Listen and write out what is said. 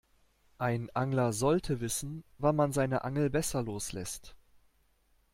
Ein Angler sollte wissen, wann man seine Angel besser loslässt.